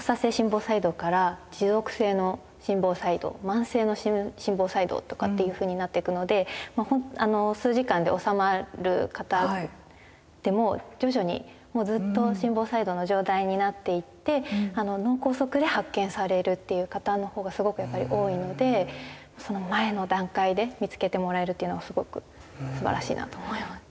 慢性の心房細動とかっていうふうになっていくので数時間で収まる方でも徐々にもうずっと心房細動の状態になっていって脳梗塞で発見されるっていう方のほうがすごくやっぱり多いのでその前の段階で見つけてもらえるというのはすごくすばらしいなと思います。